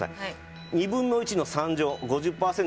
２分の１の３乗。